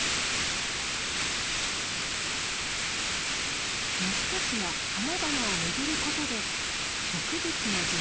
虫たちが花々を巡ることで植物の受粉が行われます。